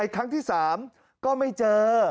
ครั้งที่๓ก็ไม่เจอ